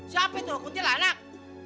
si hp tuh aku tia anak